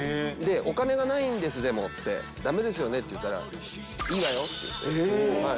で「お金がないんですでも」って「ダメですよね？」って言ったら「いいわよ」って言って。